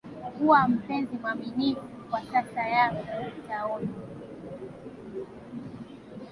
kuwa mpenzi mwaminifu kwa sasa yako utaona